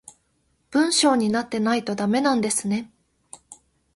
文章になってないとダメなんですね